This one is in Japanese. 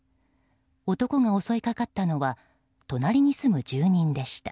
男が襲いかかったのは隣に住む住人でした。